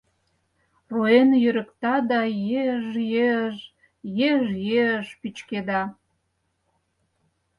Руэн йӧрыкта да еж-еж, еж-еж пӱчкеда.